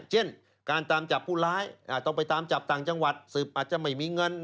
เช่นการตามจับผู้ร้ายต้องไปตามจับต่างจังหวัดสืบอาจจะไม่มีเงิน